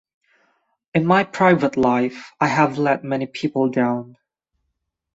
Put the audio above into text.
In my private life, I have let many people down.